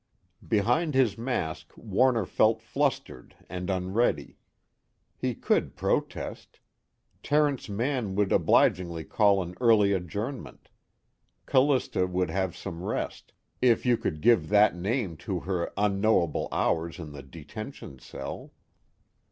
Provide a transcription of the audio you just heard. Behind his mask Warner felt flustered and unready. He could protest; Terence Mann would obligingly call an early adjournment; Callista would have some rest, if you could give that name to her unknowable hours in the detention cell.